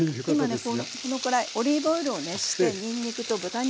今ねこのくらいオリーブオイルを熱してにんにくと豚肉を入れています。